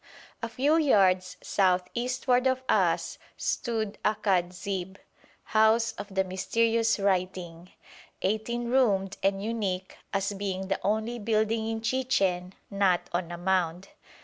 A few yards south eastward of us stood Akad zib, "House of the Mysterious Writing," eighteen roomed and unique as being the only building in Chichen not on a mound.